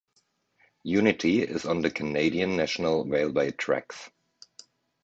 Unity is on the Canadian National Railway tracks.